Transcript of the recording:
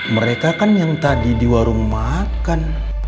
mereka kan yang tadi diwarung makan